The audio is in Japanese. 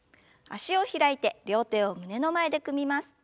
脚を開いて両手を胸の前で組みます。